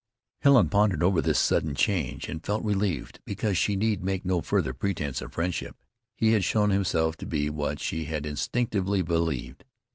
Helen pondered over this sudden change, and felt relieved because she need make no further pretense of friendship. He had shown himself to be what she had instinctively believed.